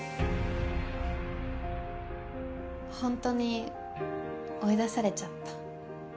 ほんとに追い出されちゃった。